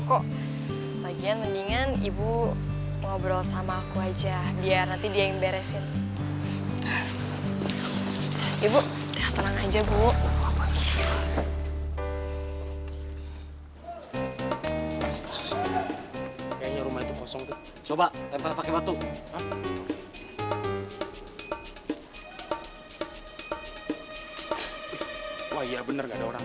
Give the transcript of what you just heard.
kayak melhor banget nih kandang itu kalau tujuh poly